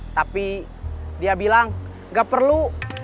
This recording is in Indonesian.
tapi dia bilang gak perlu